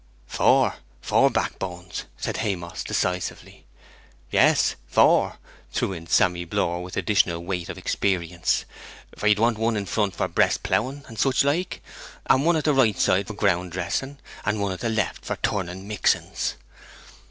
'Four, four backbones,' said Haymoss, decisively. 'Yes, four,' threw in Sammy Blore, with additional weight of experience. 'For you want one in front for breast ploughing and such like, one at the right side for ground dressing, and one at the left side for turning mixens.'